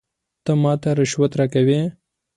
ته ماته رشوت راکوې ؟